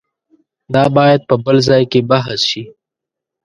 دا باید په بل ځای کې بحث شي.